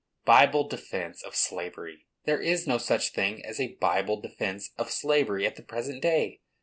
Bible defence of slavery! There is no such thing as a Bible defence of slavery at the present day.